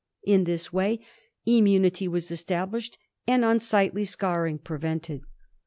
In this way immunity was established and unsightly scarring prevented.